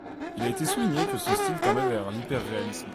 Il a été souligné que son style tendait vers l’hyperréalisme.